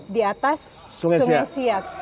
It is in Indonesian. di atas sungai siak